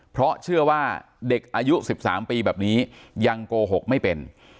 เพราะเชื่อว่าเด็กอายุ๑๓ปีแบบนี้ยังโกหกไม่เป็น